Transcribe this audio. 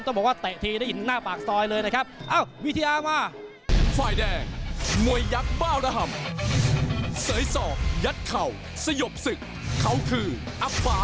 ต้องบอกว่าเตะทีได้ยินหน้าปากซอยเลยนะครับเอ้ามิสเตอร์มา